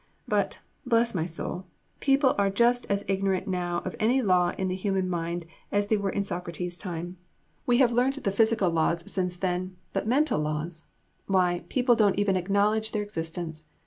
But, bless my soul, people are just as ignorant now of any law in the human mind as they were in Socrates' time. We have learnt the physical laws since then; but mental laws why, people don't even acknowledge their existence.